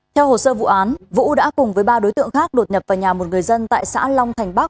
theo hồ sơ vụ án vũ đã cùng với ba đối tượng khác đột nhập vào nhà một người dân tại xã long thành bắc